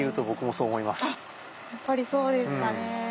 やっぱりそうですかね。